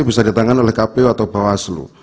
bisa ditangan oleh kpu atau bawaslu